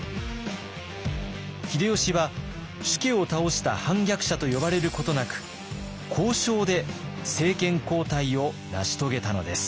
秀吉は主家を倒した反逆者と呼ばれることなく交渉で政権交代を成し遂げたのです。